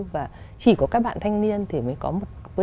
và chỉ có các bạn thanh niên thì mới có